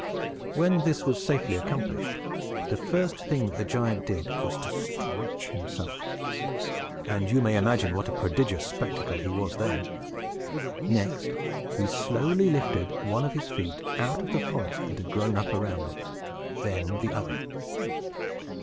When this was safely accomplished, the first thing that the giant did was to stretch himself; and you may imagine what a prodigious spectacle he was then. Next, he slowly lifted one of his feet out of the forest that had grown up around it; then, the other.